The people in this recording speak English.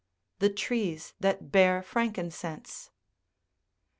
THE TREES THAT BEAR FRANKINCENSE.